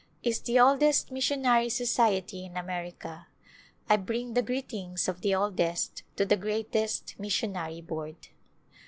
is the oldest mis sionary society in America. I bring the greetings of the oldest to the greatest missionary Board."